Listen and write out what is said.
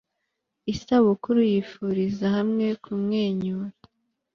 isabukuru yifuriza hamwe kumwenyuru